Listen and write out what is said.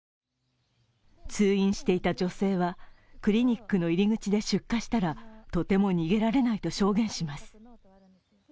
通院していた女性はクリニックの入り口で出火したらとても逃げられないと証言します。